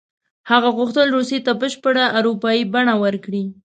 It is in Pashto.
هغه غوښتل روسیې ته بشپړه اروپایي بڼه ورکړي.